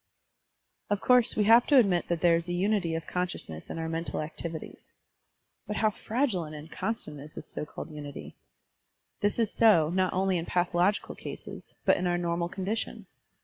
Of course, we have to admit that there is a tmity of consciousness in our mental activities. But how fragile and inconstant is this so called tmity! This is so, not only in pathological cases, but in our normal condition.